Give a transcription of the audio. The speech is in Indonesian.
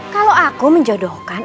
kalau aku menjodohkan